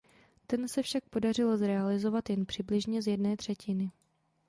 Ten se však podařilo zrealizovat jen přibližně z jedné třetiny.